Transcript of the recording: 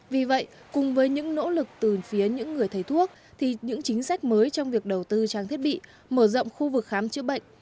vì vậy cùng với những nỗ lực từ phía những người thầy thuốc thì những chính sách mới trong việc đầu tư trang thiết bị mở rộng khu vực khám chữa bệnh